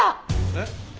えっ？